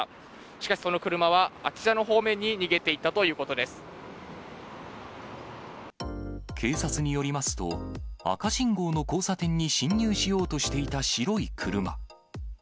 しかし、その車は、あちらの方面警察によりますと、赤信号の交差点に進入しようとしていた白い車。